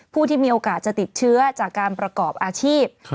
ผู้ที่มีโอกาสจะติดเชื้อจากการประกอบอาชีพ